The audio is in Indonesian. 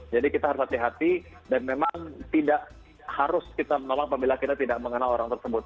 jadi kita harus hati hati dan memang tidak harus kita menolong apabila kita tidak mengenal orang tersebut